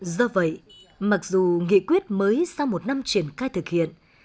do vậy mặc dù nghị quyết mới sau một năm triển khai thực hiện